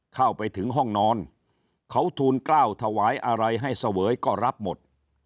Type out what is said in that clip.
เข้าไปถึงห้องนอนเขาทูลกล้าวถวายอะไรให้เสวยก็รับหมด